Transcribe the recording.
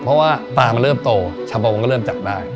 เพราะว่าปลามันเริ่มโตชาบองก็เริ่มจับได้